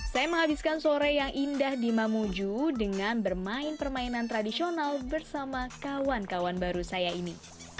saya menghabiskan sore yang indah di mamuju dengan bermain permainan tradisional bersama kawan kawan baru saya ini